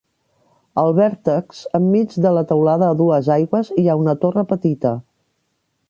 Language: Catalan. Al vèrtex, enmig de la teulada a dues aigües, hi ha una torre petita.